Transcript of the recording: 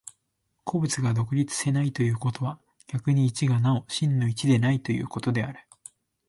個物が独立せないということは、逆に一がなお真の一でないということである。